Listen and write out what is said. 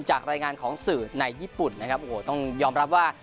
จากรายงานของสื่อในญี่ปุ่นนะครับโอ้โหต้องยอมรับว่า